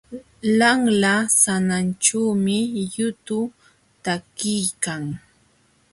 Lanla sananćhuumi yutu takiykan.